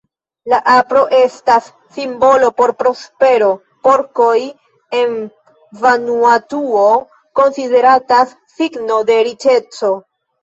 La apro estas simbolo por prospero, porkoj en Vanuatuo konsideratas signo de riĉeco.